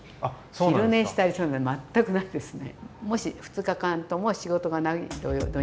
昼寝したりそういうのは全くないですね。